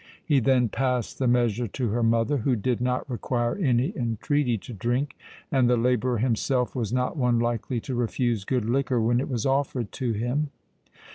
He then passed the measure to her mother, who did not require any entreaty to drink; and the labourer himself was not one likely to refuse good liquor when it was offered to him.